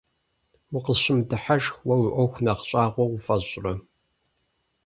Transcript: Укъысщымыдыхьашх, уэ уи ӏуэхур нэхъ щӏагъуэ уфӏэщӏрэ?